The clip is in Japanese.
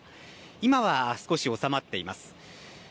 今は少し収まっています。